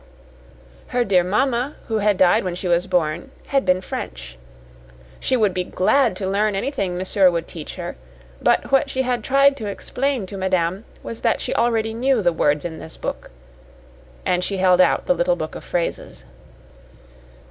Her dear mamma, who had died when she was born, had been French. She would be glad to learn anything monsieur would teach her, but what she had tried to explain to madame was that she already knew the words in this book and she held out the little book of phrases.